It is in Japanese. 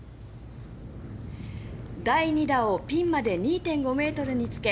第２打をピンまで２．５ｍにつけ